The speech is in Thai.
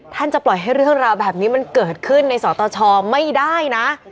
จะปล่อยให้เรื่องราวแบบนี้มันเกิดขึ้นในสตชไม่ได้นะ